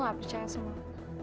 nggak percaya sama aku